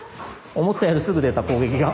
思ったよりすぐ出た攻撃が。